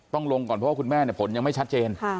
ต้องลงก่อนเพราะว่าคุณแม่เนี่ยผลยังไม่ชัดเจน